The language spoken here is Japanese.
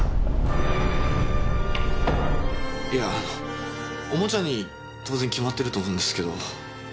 いやあのオモチャに当然決まってると思うんですけど。